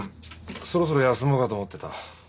そろそろ休もうかと思ってた。